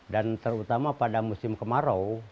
dan terutama pada musim kemarau